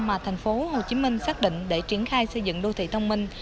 mà tp hcm xác định để triển khai xây dựng đô thị thông minh